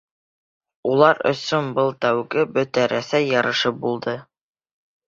— Улар өсөн был тәүге Бөтә Рәсәй ярышы булды.